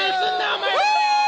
お前。